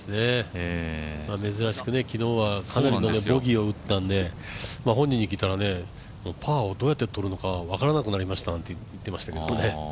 珍しく昨日はかなりのボギーを打ったんで本人に聞いたらパーをどうやって取るのかが分からなくなりましたと言ってましたけどね。